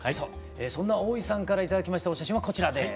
そんなおおいさんから頂きましたお写真はこちらです。